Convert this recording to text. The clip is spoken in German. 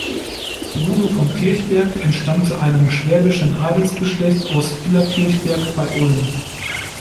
Bruno von Kirchberg entstammte einem schwäbischen Adelsgeschlecht aus Illerkirchberg bei Ulm.